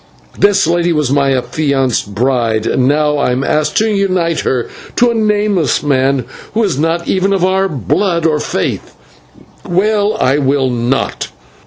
This lady was my affianced bride, and now I am asked to unite her to a nameless man who is not even of our blood or faith. Well, I will not."